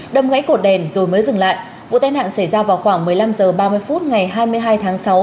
đâm gãy cột đèn rồi mới dừng lại vụ tai nạn xảy ra vào khoảng một mươi năm h ba mươi phút ngày hai mươi hai tháng sáu